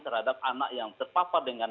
terhadap anak yang terpapar dengan